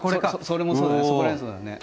それもそうだね。